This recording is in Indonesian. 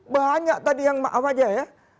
banyak tadi yang maaf aja ya